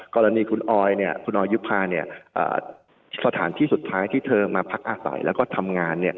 กรณีคุณออยคุณออยยุภาสถานที่สุดท้ายที่เธอมาพักอาศัยแล้วก็ทำงาน